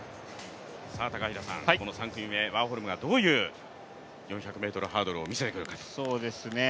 この３組目、ワーホルムがどういう４００ｍハードルを見せてくるか？